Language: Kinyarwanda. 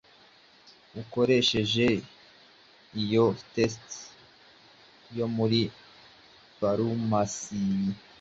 ukoresheje iyo test yo muri farumasi